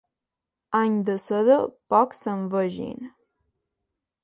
Any de seda, pocs se'n vegin.